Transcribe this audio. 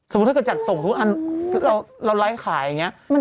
สมมุติถ้าเกิดจัดส่งทุกอันเราไลฟ์ขายอย่างนี้